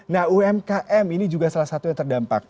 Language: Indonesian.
nah umkm ini juga salah satu yang terdampak